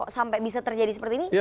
sampai bisa terjadi seperti ini